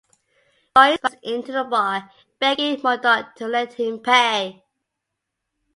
Joyce rushes into the bar begging Murdock to let him pay.